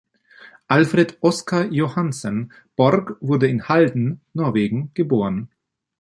Alfred Oscar Johannessen Borg wurde in Halden, Norwegen, geboren.